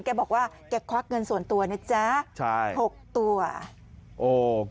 แกบอกว่าแกควักเงินส่วนตัวนะจ๊ะใช่หกตัวโอ้